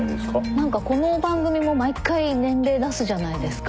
何かこの番組も毎回年齢出すじゃないですか。